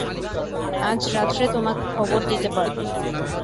আজ রাত্রে তোমাকে খবর দিতে পারব।